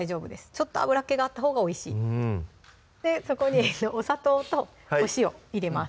ちょっと油っ気があったほうがおいしいそこにお砂糖とお塩入れます